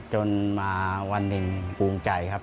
จนมาวันหนึ่งภูมิใจครับ